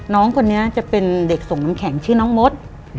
น้องคนนี้จะเป็นเด็กส่งน้ำแข็งชื่อน้องมด